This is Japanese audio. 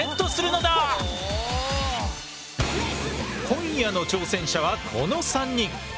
今夜の挑戦者はこの３人！